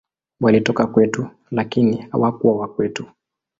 Walitoka kwetu, lakini hawakuwa wa kwetu.